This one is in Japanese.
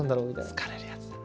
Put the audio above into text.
疲れるやつだな。